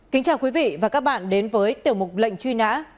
kính chào quý vị và các bạn đến với tiểu mục lệnh truy nã